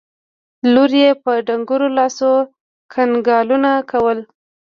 لور يې په ډنګرو لاسو کنګالول کول.